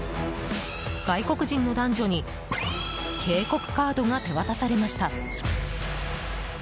外国人の男女に警告カードが手渡されました。